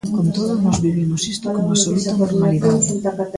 Con todo, nós vivimos isto con absoluta normalidade.